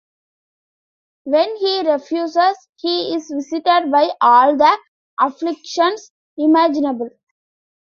When he refuses, he is visited by all the afflictions imaginable.